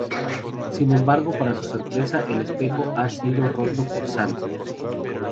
Sin embargo, para su sorpresa, el espejo ha sido roto por Zant.